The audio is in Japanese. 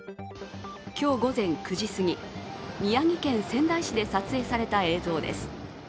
今日午前９時すぎ、宮城県仙台市で撮影された映像です。